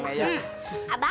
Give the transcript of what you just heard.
ngaji alasan aja pulang